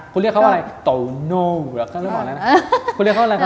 คุณเรียกเขาว่าอะไรยังไง